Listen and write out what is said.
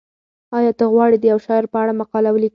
ایا ته غواړې د یو شاعر په اړه مقاله ولیکې؟